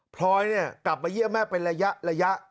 พลอยกลับมาเยี่ยมแม่เป็นระยะ